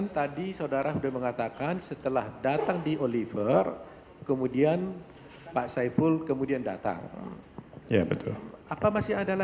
tidak tahu persis